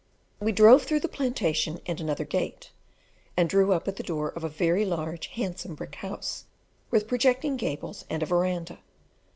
We drove through the plantation and another gate, and drew up at the door of a very large, handsome, brick house, with projecting gables and a verandah.